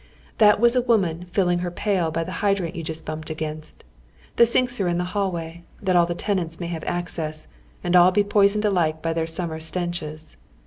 That was a woman filling her pail by the hydrant youjnst bumped against. The sinks are in the hallway, that all the tenants may have access — and all be poisoned alike by tiieir summer stenches.